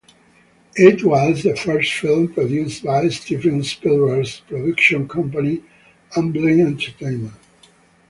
It was the first film produced by Steven Spielberg's production company Amblin Entertainment.